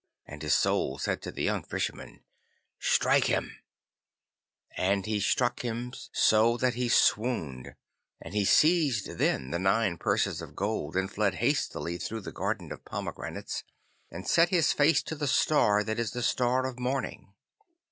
And his Soul said to the young Fisherman, 'Strike him,' and he struck him so that he swooned and he seized then the nine purses of gold, and fled hastily through the garden of pomegranates, and set his face to the star that is the star of morning.